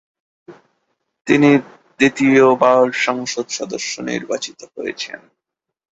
তিনি দ্বিতীয়বার সংসদ সদস্য নির্বাচিত হয়েছেন।